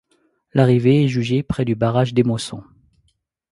L'arrivée est jugée près du barrage d'Émosson.